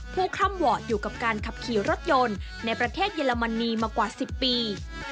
คล่ำวอร์ดอยู่กับการขับขี่รถยนต์ในประเทศเยอรมนีมากว่า๑๐ปี